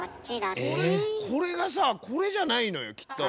これがさこれじゃないのよきっと。